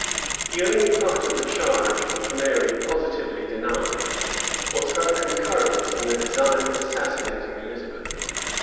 [] The only part of the charge which Mary positively denied, was her concurrence in the design of assassinating Elizabeth.